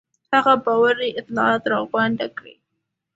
هغه باوري اطلاعات راغونډ کړي.